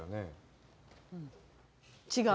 違う？